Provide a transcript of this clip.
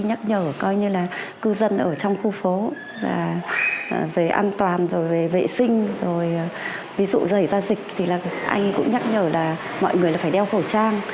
anh cũng nhắc nhở coi như là cư dân ở trong khu phố về an toàn về vệ sinh ví dụ dạy ra dịch thì anh cũng nhắc nhở là mọi người phải đeo khẩu trang